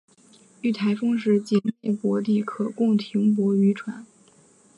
遇台风时仅内泊地可供停泊渔船。